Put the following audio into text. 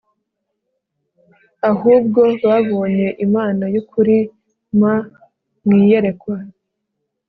lahubwo babonye imana y ukuri m mu iyerekwa